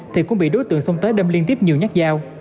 thì cũng bị đối tượng xông tới đâm liên tiếp nhiều nhát dao